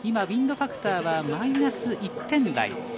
ウインドファクターはマイナス１点台。